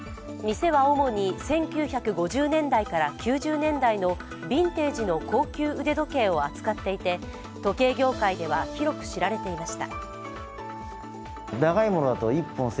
店は主に１９５０年代から９０年代のビンテージの高級腕時計を扱っていて時計業界では広く知られていました。